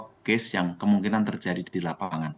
ini contoh kes yang kemungkinan terjadi di lapangan